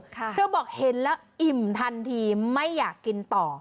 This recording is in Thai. เธอบอกเห็นแล้วอิ่มทันทีไม่อยากกินต่อ